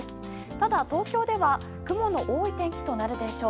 ただ、東京では雲の多い天気となるでしょう。